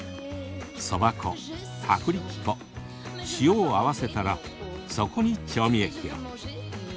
そば粉、薄力粉、塩を合わせたらそこに調味液を。